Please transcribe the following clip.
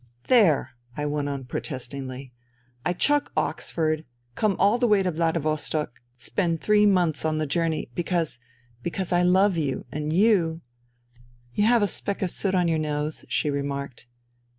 " There !" I went on protestingly, *' I chuck Oxford, come all the way to Vladivostok, spend three months on the journey ... because ... because I love you, and you "" You have a speck of soot on your nose," she remarked.